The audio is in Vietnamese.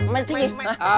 mày mày mày